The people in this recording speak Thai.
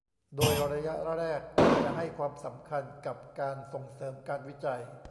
โดยระยะแรกจะให้ความสำคัญกับการส่งเสริมการวิจัย